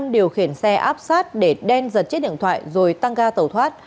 điều khiển xe áp sát để đen giật chiếc điện thoại rồi tăng ga tẩu thoát